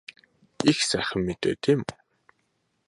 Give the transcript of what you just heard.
Их сайхан мэдээ тийм үү?